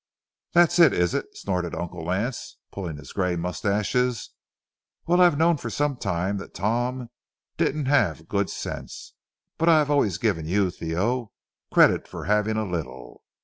"That's it, is it?" snorted Uncle Lance, pulling his gray mustaches. "Well, I've known for some time that Tom didn't have good sense, but I have always given you, Theo, credit for having a little.